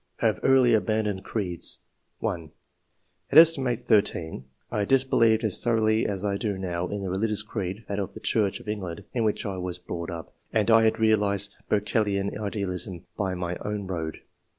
] Have early abandoned creeds. — 1. '^At set. 13, I disbelieved as thoroughly as I do now in the religious creed (that of the Church of England) in which I was brought up ; and I had realised Berkeleyan idealism by my own road."